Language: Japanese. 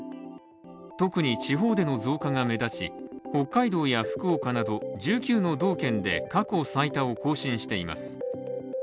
特に地方での増加が目立ち、北海道や福岡など１９の道県で過去最多を更新しています。